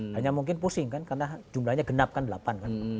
hanya mungkin pusing kan karena jumlahnya genap kan delapan kan